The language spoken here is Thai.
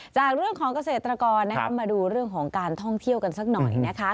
จากเรื่องของเกษตรกรนะคะมาดูเรื่องของการท่องเที่ยวกันสักหน่อยนะคะ